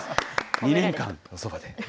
２年間おそばで。